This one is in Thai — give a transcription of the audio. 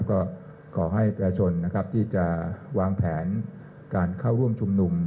ก็ขอให้ประชนที่จะวางแผนการเข้าร่วมชุมหนุ่ม